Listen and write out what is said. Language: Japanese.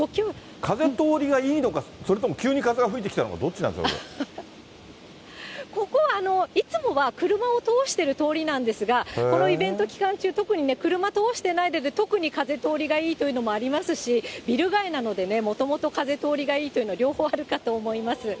風通りがいいのか、それとも急に風が吹いてきたのか、どっちここは、いつもは車を通してる通りなんですが、このイベント期間中、特にね、車通してないので、特に風通りがいいというのもありますし、ビル街なのでね、もともと風通りがいいというのは両方あるかと思います。